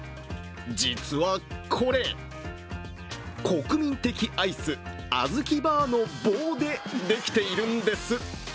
実はこれ、国民的アイスあずきバーの棒でできているんです。